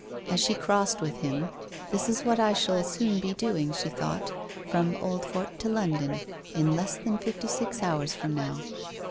As she crossed with him —' This is what I shall soon be doing,' she thought. ' From Oldfort to London, in less than fifty six hours from now.'